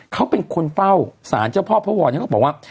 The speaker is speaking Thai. เขาเป็นคนเฝ้าศาลเจ้าพ่อพระวอเนี่ยเขาบอกว่า